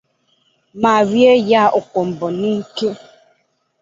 ma rie ya 'ọkọmbọ' n'ike.